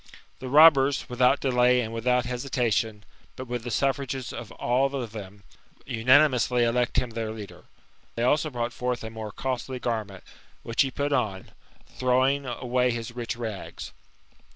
The robbers, without delay, and without hesitation, but with the suffrages of all of them, unanimously elect him their l«uler. They also brought forth a more costly garment, which he put on, throwing away his rich rags.